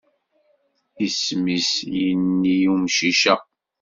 Isem-is yini n umcic-a?